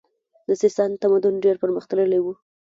د سیستان تمدن ډیر پرمختللی و